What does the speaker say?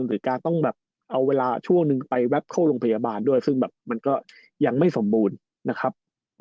หรือการต้องแบบเอาเวลาช่วงหนึ่งไปแป๊บเข้าโรงพยาบาลด้วยซึ่งแบบมันก็ยังไม่สมบูรณ์นะครับ